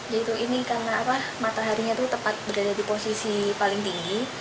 jadi ini karena mataharinya itu tepat berada di posisi paling tinggi